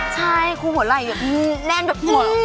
ใช่ครูหัวไหล่แน่นแบบหัว